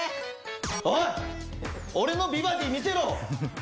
おいっ俺の美バディ見せろ！